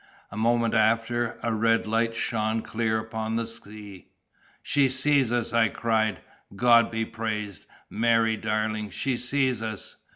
A moment after a red light shone clear upon the sea. "She sees us!" I cried, "God be praised! Mary, darling, she sees us!"